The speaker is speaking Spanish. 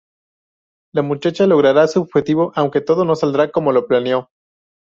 La muchacha logrará su objetivo, aunque todo no saldrá como lo planeó.